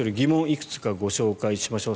いくつかご紹介しましょう。